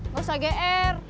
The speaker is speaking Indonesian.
gak usah gr